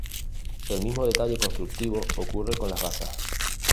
El mismo detalle constructivo ocurre con las basas.